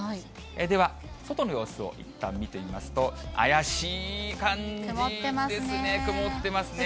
では、外の様子をいったん見てみますと、あやしい感じですね、曇ってますね。